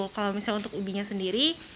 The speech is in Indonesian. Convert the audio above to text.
kalau misalnya untuk ubinya sendiri